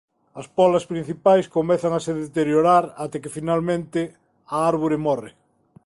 As pólas principais comezan a se deteriorar até que finalmente a árbore morre.